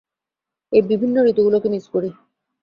এই বিভিন্ন ঋতুগুলোকে মিস করি।